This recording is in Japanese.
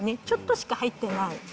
ちょっとしか入ってない。